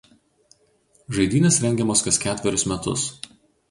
Žaidynės rengiamos kas ketverius metus.